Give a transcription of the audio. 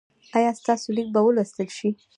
ایا ستاسو لیک به ولوستل شي؟